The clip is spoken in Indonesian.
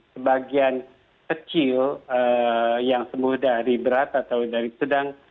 sebagian kecil yang sembuh dari berat atau dari sedang